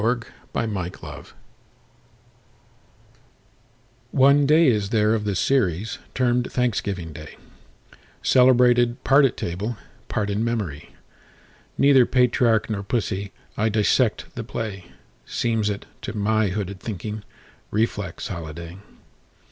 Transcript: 1924. Part One: Life CXXXVII ONE day is there of the seriesTermed Thanksgiving day, Celebrated part at table, Part in memory. Neither patriarch nor pussy,I dissect the play; Seems it, to my hooded thinking, Reflex holiday.